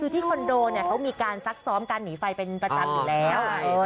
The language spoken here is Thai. คือที่คอนโดเนี่ยเขามีการซักซ้อมการหนีไฟเป็นประจำอยู่แล้ว